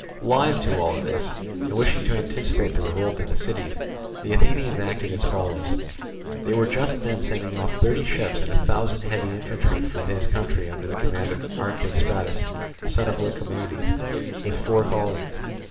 Alive to all this, and wishing to anticipate the revolt of the cities, the Athenians acted as follows. They were just then sending off thirty ships and a thousand heavy infantry for his country under the command of Archestratus, son of Lycomedes, with four colleagues.